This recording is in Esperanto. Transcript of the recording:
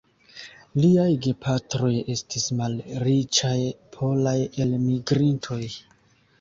Liaj gepatroj estis malriĉaj polaj elmigrintoj.